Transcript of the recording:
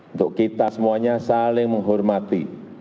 untuk kita semuanya saling menghormati